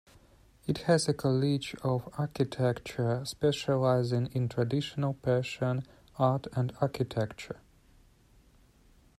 It has a college of architecture specializing in traditional Persian art and architecture.